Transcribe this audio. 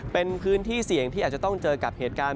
เป็นพื้นที่เสี่ยงที่อาจจะต้องเจอกับเหตุการณ์